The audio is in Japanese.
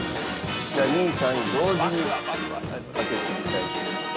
じゃあ２位３位同時に開けてみたいと思います。